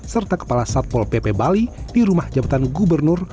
serta kepala satpol pp bali di rumah jabatan gubernur